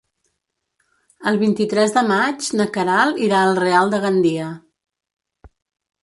El vint-i-tres de maig na Queralt irà al Real de Gandia.